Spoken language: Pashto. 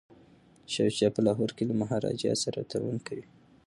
شاه شجاع په لاهور کي له مهاراجا سره تړون کوي.